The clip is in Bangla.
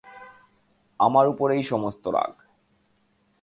আমার উপরেই সমস্ত রাগ!